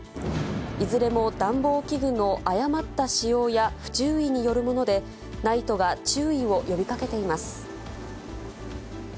いずれも暖房器具の誤った使用や不注意によるもので、ＮＩＴＥが注意を呼びかけています。